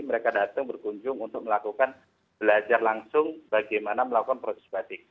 mereka datang berkunjung untuk melakukan belajar langsung bagaimana melakukan proses batik